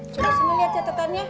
coba sini liat catetannya